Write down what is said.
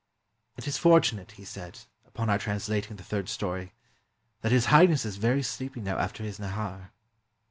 "It is fortunate," he said, upon our translating the third story, " that His Highness is very sleepy now after his nahar."